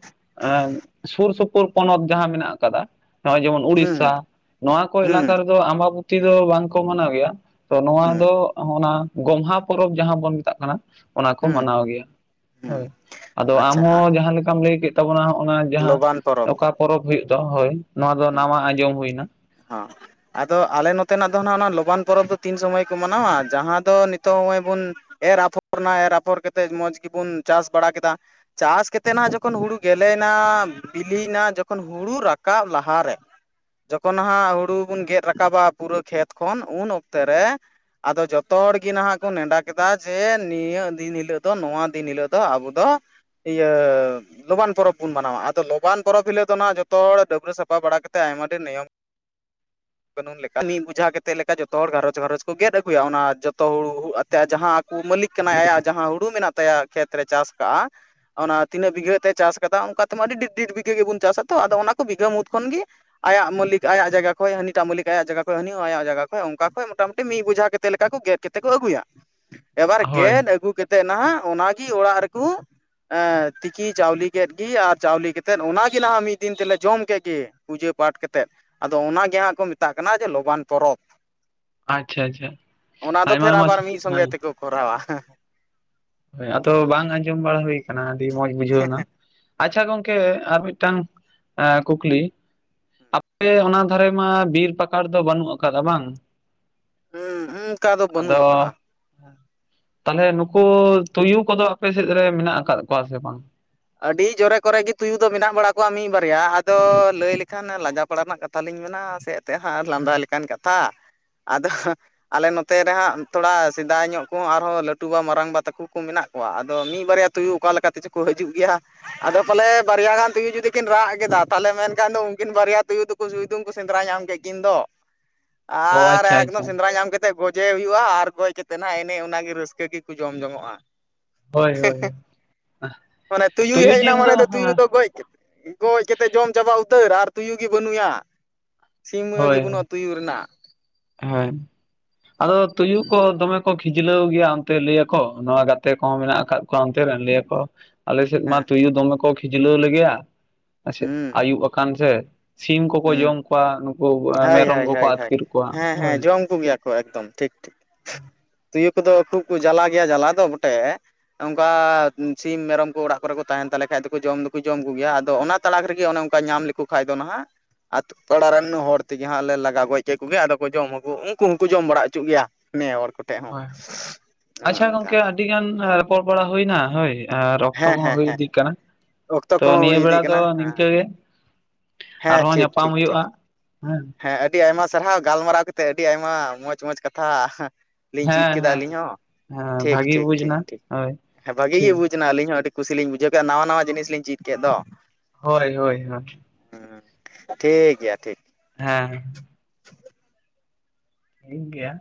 ᱥᱩᱨ ᱥᱩᱯ ᱯᱩᱨ ᱯᱚᱱᱚᱛ ᱡᱟᱦᱟᱸ ᱢᱮᱱᱟᱜ ᱠᱟᱫᱟ ᱱᱚᱜᱼᱚᱭ ᱡᱮᱢᱚᱱ ᱦᱩᱸ ᱩᱲᱤᱥᱥᱟ ᱱᱚᱣᱟ ᱠᱚ ᱦᱩᱸ ᱦᱩᱸ ᱮᱞᱟᱠᱟ ᱨᱮᱜᱮ ᱫᱚ ᱟᱢᱵᱟᱵᱩᱛᱤ ᱫᱚ ᱵᱟᱝᱠᱚ ᱢᱟᱱᱟᱣ ᱜᱮᱭᱟ ᱛᱚ ᱱᱚᱣᱟ ᱦᱩᱸ ᱫᱚ ᱚᱱᱟ ᱜᱚᱢᱦᱟ ᱯᱚᱨᱚᱵᱽ ᱡᱟᱦᱟᱸ ᱵᱚᱱ ᱢᱮᱛᱟᱜ ᱠᱟᱱᱟ᱾ ᱚᱱᱟ ᱠᱚ ᱦᱩᱸ ᱢᱟᱱᱟᱣ ᱜᱮᱭᱟ, ᱦᱩᱸ ᱦᱳᱭ ᱟᱫᱚ ᱟᱢ ᱟᱪᱪᱷᱟ ᱦᱚᱸ ᱡᱟᱦᱟᱸ ᱞᱮᱠᱟᱢ ᱞᱟᱹᱭ ᱠᱮᱫ ᱛᱟᱵᱚᱱᱟ ᱦᱚᱜ ᱚᱱᱟ ᱡᱟᱦᱟᱸ ᱞᱚᱵᱟᱱ ᱯᱚᱨᱚᱵᱽ ᱚᱠᱟ ᱯᱚᱨᱚᱵᱽ ᱦᱩᱭᱩᱜ ᱫᱚ ᱦᱳᱭ ᱱᱚᱣᱟ ᱫᱚ ᱱᱟᱣᱟ ᱟᱸᱡᱚᱢ ᱦᱩᱭ ᱟᱸ ᱟᱫᱚ ᱟᱞᱮ ᱱᱚᱛᱮᱱᱟᱜ ᱫᱚ ᱱᱟᱸᱜ ᱚᱱᱟ ᱞᱚᱵᱟᱱ ᱯᱚᱨᱚᱵᱽ ᱫᱚ ᱛᱤᱱ ᱥᱚᱢᱚᱭ ᱠᱚ ᱢᱟᱱᱟᱣᱟ ᱡᱟᱦᱟᱸ ᱫᱚ ᱱᱤᱛᱚᱜ ᱦᱚᱸᱜ ᱚᱭ ᱵᱩᱱ ᱮᱨ ᱟᱯᱷᱚᱨ ᱱᱟ ᱮᱨ ᱟᱯᱷᱚᱨ ᱠᱟᱛᱮᱫ ᱢᱚᱸᱡᱽ ᱜᱮᱵᱩᱱ ᱪᱟᱥ ᱵᱟᱲᱟ ᱠᱮᱫᱟ᱾ ᱪᱟᱥ ᱠᱮᱛᱮᱫ ᱱᱟᱦᱟᱜ ᱡᱚᱠᱷᱚᱱ ᱦᱩᱲᱩ ᱜᱮᱞᱮᱭᱱᱟ, ᱵᱤᱞᱤᱭᱱᱟ, ᱡᱚᱠᱷᱚᱱ ᱦᱩᱲᱩ ᱨᱟᱠᱟᱵ ᱞᱟᱦ ᱦᱟᱨᱮ ᱡᱚᱠᱷᱚᱱ ᱦᱟᱸᱜ ᱦᱩᱲᱩ ᱵᱚᱱ ᱜᱮᱫ ᱨᱟᱠᱟᱵᱟ ᱯᱩᱨᱟᱹ ᱠᱷᱮᱛ ᱠᱷᱚᱱ ᱩᱱ ᱚᱠᱛᱮ ᱨᱮ ᱟᱫᱚ ᱡᱚᱛᱚ ᱦᱚᱲ ᱜᱮ ᱱᱟᱦᱟᱜ ᱠᱚ ᱱᱮᱰᱟ ᱠᱮᱫᱟ ᱡᱮ ᱱᱤᱭᱟᱹ ᱫᱤᱱ ᱦᱤᱞᱳᱜ ᱫᱚ ᱱᱚᱣᱟ ᱫᱤᱱ ᱦᱤᱞᱳᱜ ᱫᱚ ᱟᱵᱚ ᱫᱚ ᱤᱭᱟᱹ ᱞᱚᱵᱟᱱ ᱯᱚᱨᱚᱵᱽ ᱵᱚᱱ ᱢᱟᱱᱟᱣᱟ, ᱟᱫᱚ ᱞᱚᱵᱟᱱ ᱯᱚᱨᱚᱵᱽ ᱦᱤᱞᱳᱜ ᱫᱚ ᱱᱟᱜ ᱡᱚᱛᱚ ᱦᱚᱲ ᱰᱟᱹᱵᱽᱨᱟᱹ ᱥᱟᱯᱷ ᱯᱷᱟ ᱵᱟᱲᱟ ᱠᱟᱛᱮᱜ ᱟᱭᱢᱟ ᱰᱷᱮᱨ ᱱᱤᱭᱚᱢ ᱠᱟᱹᱱᱩᱱ ᱞᱮᱠᱟ ᱢᱤᱫ ᱵᱩᱡᱷᱟ ᱠᱟᱛᱮᱜ ᱞᱮᱠᱟ ᱡᱚᱛᱚ ᱦᱚᱲ ᱜᱷᱟᱨᱚᱸᱡᱽ ᱜᱷᱟᱨᱚᱸᱡᱽ ᱠᱚ ᱜᱮᱫ ᱟᱹᱜᱩᱭᱟ ᱚᱱᱟ ᱡᱚᱛᱚ ᱦᱩᱲᱩ ᱟᱛᱮ ᱡᱟᱦᱟᱸ ᱠᱩ ᱢᱟᱹᱞᱤᱠ ᱠᱟᱱᱟᱭ ᱟᱭᱟᱜ ᱡᱟᱦᱟᱸ ᱦᱩᱲᱩ ᱢᱮᱱᱟᱜ ᱛᱟᱭᱟ ᱠᱷᱮᱛ ᱨᱮ ᱪᱟᱥ ᱠᱟᱜᱼᱟ᱾ ᱚᱱᱟ ᱛᱤᱱᱟᱹᱜ ᱵᱤᱜᱷᱟᱹ ᱮᱛᱮ ᱪᱟᱥ ᱠᱟᱫᱟ ᱚᱝᱠᱟ ᱛᱮᱢᱟ ᱟᱹᱰᱤ ᱰᱤᱰ ᱰᱤᱰ ᱵᱤᱜᱷᱟᱹ ᱜᱮᱵᱚᱱ ᱪᱟᱥᱟ ᱛᱚ ᱟᱫᱚ ᱚᱱᱟ ᱠᱚ ᱵᱤᱜᱷᱟᱹ ᱢᱩᱫᱽ ᱠᱷᱚᱱᱜ ᱜᱤ ᱟᱭᱟᱜ ᱢᱟᱹᱞᱤᱠ ᱟᱭᱟᱜ ᱡᱟᱭᱜᱟ ᱠᱷᱚᱡ ᱦᱟᱹᱱᱤ ᱴᱟᱜ ᱢᱟᱹᱞᱤᱠ ᱟᱭᱟᱜ ᱡᱟᱭᱜᱟ ᱠᱷᱚᱡ ᱦᱟᱹᱱᱤ ᱦᱚᱸᱟᱭᱟᱜ ᱡᱟᱭᱜᱟ ᱠᱷᱚᱡ ᱚᱝᱠᱟ ᱠᱷᱚᱡ ᱢᱚᱴᱟᱢᱩᱴᱤ ᱢᱤᱜ ᱵᱩᱡᱷᱟ ᱠᱟᱛᱮᱫ ᱞᱮᱠᱟ ᱠᱚ ᱜᱮᱫ ᱠᱮ ᱛᱮᱠᱚ ᱟᱹᱜᱩᱭᱟ ᱮᱵᱟᱨ ᱦᱳᱭ ᱜᱮᱫ ᱟᱹᱜᱩ ᱠᱮᱛᱮᱫ ᱱᱟᱦᱟᱜ ᱚᱱᱟᱜᱤ ᱚᱲᱟᱜ ᱨᱮᱠᱩ ᱛᱤᱠᱤ ᱪᱟᱣᱞᱤ ᱠᱮᱫ ᱜᱤ ᱟᱨ ᱪᱟᱣᱞᱤ ᱠᱟᱛᱮᱜ ᱚᱱᱟᱜᱮ ᱱᱟᱦᱟᱜ ᱢᱤᱫ ᱫᱤᱱ ᱛᱮᱞᱮ ᱡᱚᱢ ᱠᱮᱜ ᱜᱮ ᱯᱩᱡᱟᱹ ᱯᱟᱴ ᱠᱟᱛᱮᱫ ᱟᱫᱚ ᱚᱱᱟᱜᱮ ᱦᱟᱸᱜ ᱠᱚ ᱢᱮᱛᱟᱜ ᱠᱟᱱᱟ ᱡᱮ ᱞᱚᱵᱟᱱ ᱯᱚᱨᱚᱵᱽ᱾ ᱟᱪᱪᱷᱟ ᱟᱪᱪᱷᱟ ᱚᱱᱟ ᱫᱚ ᱟᱭᱢᱟ ᱯᱷᱮᱨ ᱟᱭᱢᱟ ᱟᱵᱟᱨ ᱢᱤᱫ ᱥᱚᱸᱜᱮ ᱦᱮᱸ ᱛᱮᱠᱚ ᱠᱚᱨᱟᱣᱟ᱾ ᱦᱳᱭ ᱟᱫᱚ ᱵᱟᱝ ᱟᱸᱡᱚᱢ ᱵᱟᱲᱟ ᱦᱩᱭ ᱠᱟᱱᱟ ᱟᱹᱰᱤ ᱢᱚᱸᱡᱽ ᱵᱩᱡᱷᱟᱹᱣᱱᱟ᱾ ᱟᱪᱪᱷᱟ ᱜᱚᱝᱠᱮ ᱟᱨ ᱢᱤᱫᱴᱟᱝ ᱮᱸ ᱠᱩᱠᱞᱤ? ᱟᱯᱮ ᱚᱱᱟ ᱫᱷᱟᱨᱮ ᱢᱟ ᱵᱤᱨ ᱯᱟᱠᱟᱲ ᱫᱚ ᱵᱟᱹᱱᱩᱜ ᱟᱠᱟᱫᱟ ᱵᱟᱝ? ᱦᱩᱸ ᱚᱱᱠᱟ ᱫᱚ ᱵᱟᱹᱱᱩᱜ ᱟᱫᱚ ᱟᱠᱟᱜᱼᱟ ᱛᱟᱦᱞᱮ ᱱᱩᱠᱩ ᱛᱩᱭᱩ ᱠᱚᱫᱚ ᱟᱯᱮ ᱥᱮᱫ ᱨᱮ ᱢᱮᱱᱟᱜ ᱟᱠᱟᱫ ᱠᱚᱣᱟ ᱥᱮ ᱵᱟᱝ? ᱟᱹᱰᱤ ᱡᱚᱨᱮ ᱠᱚᱨᱮ ᱜᱤ ᱛᱩᱭᱩ ᱫᱚ ᱢᱮᱱᱟᱜ ᱵᱟᱲᱟ ᱠᱚᱣᱟ ᱢᱤᱜ ᱵᱟᱨᱭᱟ ᱟᱫᱚ ᱞᱟᱹᱭ ᱞᱮᱠᱷᱟᱱ ᱞᱟᱡᱟ ᱯᱟᱲᱟ ᱨᱮᱱᱟᱜ ᱠᱟ ᱛᱷᱟ ᱞᱤᱧ ᱢᱮᱱᱟ ᱥᱮ ᱮᱛᱮᱜ ᱦᱟᱸ ᱞᱟᱸᱫᱟ ᱞᱮᱠᱟᱱ ᱠᱟᱛᱷᱟ ᱟᱫᱚ ᱟᱞᱮ ᱱᱚᱛᱮ ᱨᱮ ᱦᱟᱸᱜ ᱛᱷᱚᱲᱟ ᱥᱮᱫᱟᱭ ᱧᱚᱜ ᱠᱚᱦᱚᱸ ᱟᱨᱦᱚᱸ ᱞᱟᱹᱴᱩ ᱵᱟ ᱢᱟᱨᱟᱝᱵᱟ ᱛᱟᱠᱩ ᱠᱩ ᱢᱮᱱᱟᱜ ᱠᱣᱟ ᱟᱫᱚ ᱢᱤᱜ ᱵᱟᱨᱭᱟ ᱛᱩᱭᱩ ᱚᱠᱟ ᱞᱮᱠᱟ ᱛᱮᱪᱚ ᱠᱚ ᱦᱤᱡᱩᱜ ᱜᱮᱭᱟ᱾ ᱟᱫᱚ ᱯᱟᱞᱮ ᱵᱟᱨᱭᱟ ᱜᱟᱱ ᱛᱩᱭᱩ ᱡᱩᱫᱤ ᱠᱤᱱ ᱨᱟᱜ ᱠᱮᱫᱟ ᱛᱟᱦᱞᱮ ᱢᱮᱱᱠᱷᱟᱱ ᱫᱚ ᱩᱱᱠᱤᱱ ᱵᱟᱨᱭᱟ ᱛᱩᱭᱩ ᱫᱚ ᱥᱩᱭᱫᱩᱢ ᱠᱚ ᱥᱮᱸᱫᱽᱨᱟ ᱧᱟᱢ ᱠᱮᱫ ᱠᱤᱱ ᱫᱚ ᱚ ᱟᱨ ᱟᱪᱪᱷᱟ ᱮᱠᱫᱚᱢ ᱟᱪᱪᱷᱟ ᱥᱮᱸᱫᱽᱨᱟ ᱧᱟᱢ ᱠᱟᱛ ᱛᱮ ᱜᱚᱡᱮ ᱦᱩᱭᱩᱜᱼᱟ, ᱟᱨ ᱜᱚᱡ ᱠᱟᱛᱮ ᱱᱦᱟᱜ ᱮᱱᱮ‌ ᱚᱱᱟᱜᱮ ᱨᱟᱹᱥᱠᱟᱹ ᱜᱮᱠᱚ ᱡᱚᱢ ᱡᱚᱝᱚᱜᱼᱟ᱾ ᱦᱳᱭ ᱦᱳᱭ ᱦᱳᱭ ᱢᱟᱱᱮ ᱛᱩᱭᱩᱭ ᱦᱮᱡᱱᱟ ᱢᱟᱱᱮ ᱫᱚ ᱛᱩᱭᱩ ᱦᱮᱸ ᱫᱚ ᱜᱚᱡ ᱠᱮᱫ ᱜᱚᱡ ᱠᱮᱛᱮᱫ ᱡᱚᱢ ᱪᱟᱵᱟ ᱩᱛᱟᱹᱨ ᱟᱨ ᱛᱩᱭᱩ ᱜᱮ ᱵᱟᱹᱱᱩᱭᱟ ᱥᱤᱢ ᱜᱮ ᱵᱟᱹᱱᱩᱜ ᱛᱩᱭᱩ ᱨᱮᱱᱟᱜ᱾ ᱦᱮᱸ ᱟᱫᱚ ᱛᱩᱭᱩ ᱠᱚ ᱫᱚᱢᱮ ᱠᱚ ᱠᱷᱤᱡᱞᱟᱹᱣ ᱜᱮᱭᱟ ᱚᱱᱛᱮ ᱞᱟᱹᱭᱟᱠᱚ ᱱᱚᱣᱟ ᱜᱟᱛᱮ ᱠᱚᱦᱚᱸ ᱢᱮᱱᱟᱜ ᱠᱟᱜ ᱠᱚᱣᱟ ᱚᱱᱛᱮ ᱨᱮᱱ ᱞᱟᱹᱭᱟᱠᱚ ᱟᱞᱮ ᱥᱮᱫ ᱢᱟ ᱦᱮᱸ ᱛᱩᱭᱩ ᱫᱚᱢᱮ ᱠᱚ ᱠᱷᱤᱡᱞᱟᱹᱣ ᱞᱮᱜᱮᱭᱟ᱾ ᱟᱪᱮ ᱦᱩᱸ ᱟᱹᱭᱩᱵ ᱟᱠᱟᱱ ᱥᱮ ᱥᱤᱢ ᱠᱚᱠᱚ ᱦᱩᱸ ᱡᱚᱢ ᱠᱚᱣᱟ, ᱱᱩᱠᱩ ᱦᱳᱭ ᱢᱮᱨᱚᱢ ᱦᱳᱭ ᱠᱚᱠᱚ ᱦᱳᱭ ᱦᱳᱭ ᱟᱹᱛᱠᱤᱨ ᱠᱚᱣᱟ ᱦᱮᱸ ᱦᱮᱸ ᱦᱳᱭ ᱡᱚᱢ ᱠᱚᱜᱮᱭᱟ ᱠᱚ ᱮᱠᱫᱚᱢ ᱴᱷᱤᱠ ᱴᱷᱤᱠ ᱛᱩᱭᱩ ᱠᱩᱫᱚ ᱠᱷᱩᱵ ᱠᱚ ᱡᱟᱞᱟ ᱜᱮᱭᱟ ᱡᱟᱞᱟ ᱫᱚ ᱵᱚᱴᱮ᱾ ᱚᱝᱠᱟ ᱥᱤᱢ ᱢᱮᱨᱚᱢ ᱠᱚ ᱚᱲᱟᱜ ᱠᱚᱨᱮ ᱠᱚ ᱛᱟᱦᱮᱱ ᱛᱟᱞᱮ ᱠᱷᱟᱡ ᱫᱚᱠᱚ ᱡᱚᱢ ᱫᱚᱠᱚ ᱡᱚᱢ ᱠᱚᱜᱮᱭᱟ ᱟᱫᱚ ᱚᱱᱟ ᱛᱟᱞᱟᱠ ᱨᱮᱜᱮ ᱚᱱᱮ ᱚᱝᱠᱟ ᱧᱟᱢ ᱞᱮᱠᱚ ᱠᱷᱟᱡ ᱫᱚ ᱱᱟᱦᱟᱜ ᱟᱛᱳ ᱯᱟᱲᱟ ᱨᱮᱱ ᱦᱚᱲ ᱛᱮᱜᱮ ᱦᱟᱸᱜ ᱞᱮ ᱞᱟᱜᱟ ᱜᱚᱡ ᱠᱮᱫ ᱠᱚᱜᱮ ᱟᱫᱚ ᱠᱚ ᱡᱚᱢ ᱦᱚᱠᱚ ᱩᱱᱠᱩ ᱦᱚᱸᱠᱚ ᱡᱚᱢ ᱵᱟᱲᱟ ᱦᱚᱪᱚᱜ ᱜᱮᱭᱟ᱾ ᱱᱮ ᱦᱚᱲ ᱠᱚᱴᱷᱮᱜ ᱦᱚᱸ ᱦᱳᱭ ᱚᱱᱮ ᱟᱪᱪᱷᱟ ᱚᱝᱠᱟ᱾ ᱜᱚᱝᱠᱮ ᱟᱹᱰᱤ ᱜᱟᱱ ᱨᱚᱯᱚᱨ ᱵᱟᱲᱟ ᱦᱩᱭᱱᱟ ᱦᱳᱭ᱾ ᱟᱨ ᱚᱠᱛᱚ ᱦᱮᱸ ᱠᱚ ᱦᱚᱸ ᱦᱮᱸ ᱦᱩᱭ ᱦᱮᱸ ᱤᱫᱤᱜ ᱠᱟᱱᱟ ᱚᱠᱛᱚ ᱛᱚ ᱠᱚᱦᱚᱸ ᱱᱤᱭᱟᱹ ᱦᱩᱭ ᱵᱮᱲᱟ ᱤᱫᱤᱜ ᱫᱚ ᱠᱟᱱᱟ ᱦᱮᱸ ᱱᱤᱝᱠᱟᱹ ᱜᱮ᱾ ᱦᱮᱸ ᱟᱨᱦᱚᱸ ᱴᱷᱤᱠ ᱧᱟᱯᱟᱢ ᱴᱷᱤᱠ ᱴᱷᱤᱠ ᱦᱩᱭᱩᱜᱼᱟ ᱦᱮᱸ᱾ ᱦᱮᱸ ᱟᱹᱰᱤ ᱟᱭᱢᱟ ᱥᱟᱨᱦᱟᱣ ᱜᱟᱞᱢᱟᱨᱟᱣ ᱠᱟᱛᱮᱫ ᱟᱹᱰᱤ ᱟᱭᱢᱟ ᱢᱚᱸᱡᱽ ᱢᱚᱸᱡᱽ ᱠᱟᱛᱷᱟ ᱞᱤᱧ ᱪᱤᱫ ᱦᱮᱸ ᱠᱮᱫᱟ ᱦᱮᱸ ᱟᱹᱞᱤᱧ ᱦᱚᱸ ᱦᱮᱸ ᱴᱷᱤᱠ ᱵᱷᱟᱜᱤ ᱴᱷᱤᱠ ᱵᱩᱡᱽ ᱴᱷᱤᱠ ᱱᱟ ᱴᱷᱤᱠ ᱦᱳᱭ ᱵᱷᱟᱜᱤ ᱜᱮ ᱴᱷᱤᱠ ᱵᱩᱡ ᱱᱟ ᱟᱞᱤᱧ ᱦᱚᱸ ᱟᱹᱰᱤ ᱠᱩᱥᱤ ᱞᱤᱧ ᱵᱩᱡᱷᱟᱹᱣ ᱠᱮᱜᱼᱟ, ᱱᱟᱣᱟ ᱱᱟᱣᱟ ᱡᱤᱱᱤᱥ ᱞᱤᱧ ᱪᱮᱫ ᱠᱮᱫ ᱫᱚ᱾ ᱦᱳᱭ ᱦᱳᱭ ᱦᱳᱭ ᱦᱮᱸ ᱴᱷᱤᱠ ᱜᱮᱭᱟ ᱴᱷᱤᱠ ᱦᱮᱸ *inaudible* ᱴᱷᱤᱠ ᱜᱮᱭᱟ᱾